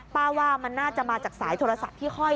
ว่ามันน่าจะมาจากสายโทรศัพท์ที่ห้อย